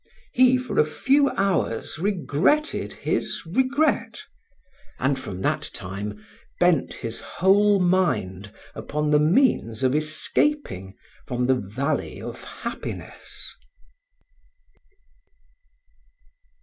He for a few hours regretted his regret, and from that time bent his whole mind upon the means of escaping from the Valley of Happiness.